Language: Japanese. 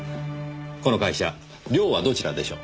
この会社寮はどちらでしょう？